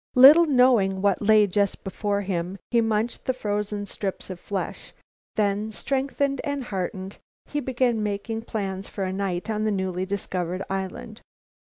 Little knowing what lay just before him, he munched the frozen strips of flesh; then, strengthened and enheartened, he began making plans for a night on the newly discovered land.